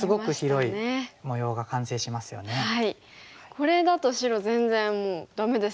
これだと白全然もうダメですよね。